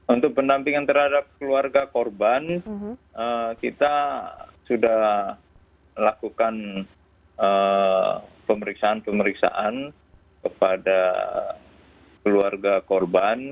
untuk pendampingan terhadap keluarga korban kita sudah melakukan pemeriksaan pemeriksaan kepada keluarga korban